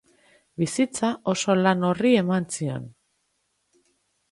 Bizitza oso lan horri eman zion.